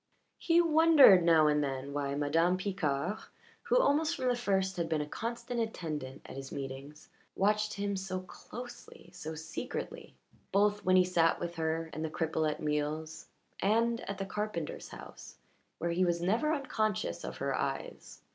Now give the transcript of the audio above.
He wondered now and then why Madame Picard, who almost from the first had been a constant attendant at his meetings, watched him so closely, so secretly both when he sat with her and the cripple at meals and at the carpenter's house, where he was never unconscious of her eyes.